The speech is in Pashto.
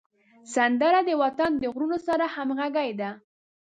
سندره د وطن د غرونو سره همږغي ده